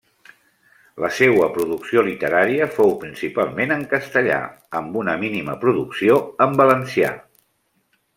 La seua producció literària fou principalment en castellà, amb una mínima producció en valencià.